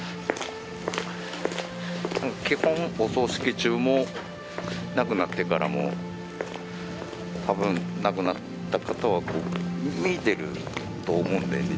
基本お葬式中も亡くなってからも多分亡くなった方は見ていると思うんだよね。